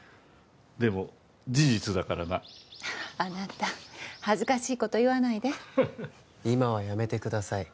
でも事実だからなあなた恥ずかしいこと言わないでハハ今はやめてください